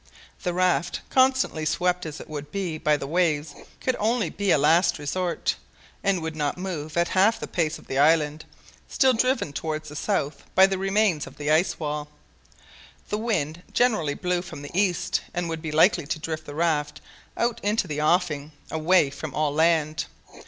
The raft, constantly swept as it would be by the waves, could only be a last resource, and would not move at half the pace of the island, still driven towards the south by the remains of the ice wall. The wind generally blew from the east, and would be likely to drift the raft out into the offing away from all land.